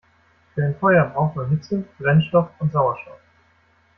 Für ein Feuer braucht man Hitze, Brennstoff und Sauerstoff.